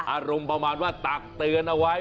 อารมณ์ประมาณว่าตักเตือนเอาไว้